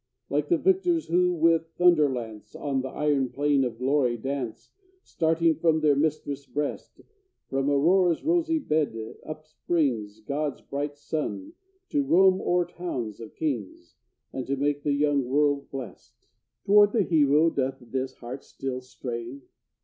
Like the victors, who, with thunder lance, On the iron plain of glory dance, Starting from their mistress' breast, From Aurora's rosy bed upsprings God's bright sun, to roam o'er towns of kings, And to make the young world blest! Toward the hero doth this heart still strain?